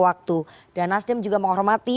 waktu dan nasdem juga menghormati